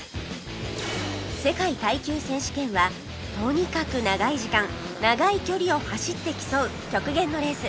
世界耐久選手権はとにかく長い時間長い距離を走って競う極限のレース